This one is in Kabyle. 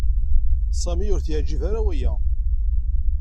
Sami ur t-yeɛjib ara waya.